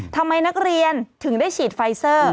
ทำไมนักเรียนถึงได้ฉีดไฟเซอร์